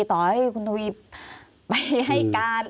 ต่อให้คุณทวีไปให้การ